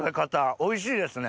おいしいですね。